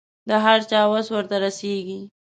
د هر چا وس ورته رسېږي.